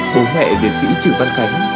bố mẹ đệ sĩ trừ văn khánh